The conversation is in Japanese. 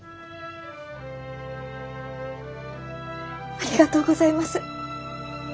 ありがとうございます。